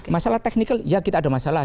masalah teknikal ya kita ada masalah